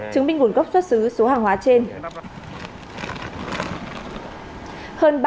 chứng minh nguồn gốc xuất xứ số hàng hóa trên